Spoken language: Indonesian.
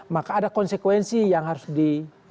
maka ada konsekuensi yang harus di